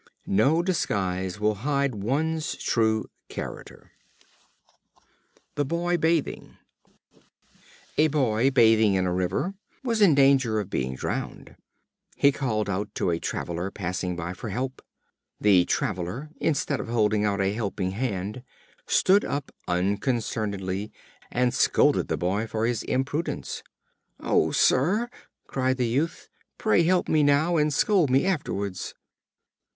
No disguise will hide one's true character. The Boy Bathing. A Boy bathing in a river was in danger of being drowned. He called out to a traveler passing by for help. The traveler, instead of holding out a helping hand, stood up unconcernedly, and scolded the boy for his imprudence. "Oh, sir!" cried the youth, "pray help me now, and scold me afterwards."